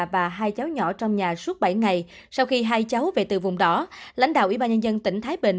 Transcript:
và hai cháu nhỏ trong nhà suốt bảy ngày sau khi hai cháu về từ vùng đỏ lãnh đạo ủy ban nhân dân tỉnh thái bình